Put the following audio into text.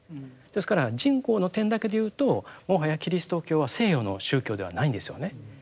ですから人口の点だけでいうともはやキリスト教は西洋の宗教ではないんですよね。